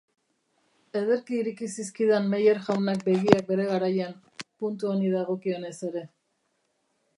Ederki ireki zizkidan Meyer jaunak begiak bere garaian, puntu honi dagokionez ere!